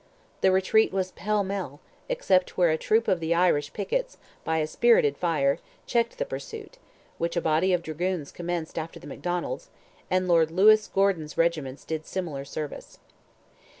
The retreat was pell mell, except where "a troop of the Irish pickets, by a spirited fire, checked the pursuit, which a body of dragoons commenced after the Macdonalds, and Lord Lewis Gordon's regiments did similar service."